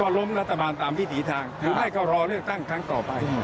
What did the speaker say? ล้มรัฐบาลตามวิถีทางหรือไม่ก็รอเลือกตั้งครั้งต่อไป